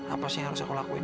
apa sih yang harus aku lakuin